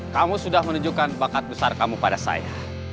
kamu sudah menunjukkan bakat besar kamu pada saya